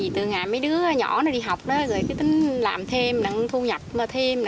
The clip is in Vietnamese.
từ ngày mấy đứa nhỏ đi học tính làm thêm thu nhập thêm